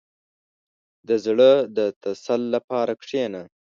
• د زړه د تسل لپاره کښېنه.